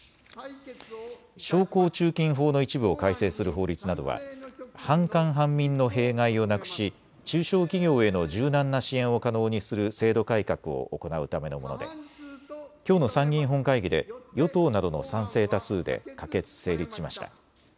商工中金法の一部を改正する法律などは半官半民の弊害をなくし中小企業への柔軟な支援を可能にする制度改革を行うためのものできょうの参議院本会議で与党などの賛成多数で可決・成立しました。